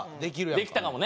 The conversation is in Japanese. できたかもね。